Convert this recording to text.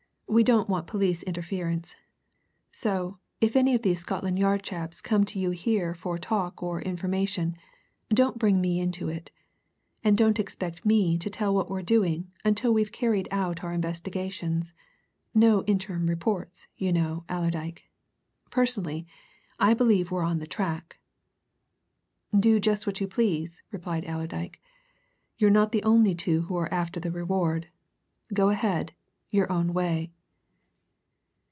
We don't want police interference. So, if any of these Scotland Yard chaps come to you here for talk or information, don't bring me into it. And don't expect me to tell what we're doing until we've carried out our investigations. No interim reports, you know, Allerdyke. Personally, I believe we're on the track." "Do just what you please," replied Allerdyke. "You're not the only two who are after that reward. Go ahead your own way."